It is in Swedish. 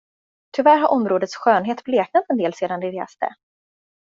Tyvärr har områdets skönhet bleknat en del sedan ni reste.